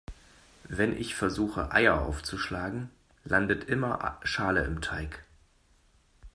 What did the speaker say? Wenn ich versuche Eier aufzuschlagen, landet immer Schale im Teig.